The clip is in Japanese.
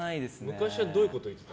昔はどういうこと言ってた？